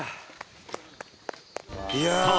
さあ